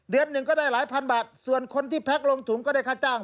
หนึ่งก็ได้หลายพันบาทส่วนคนที่แพ็คลงถุงก็ได้ค่าจ้าง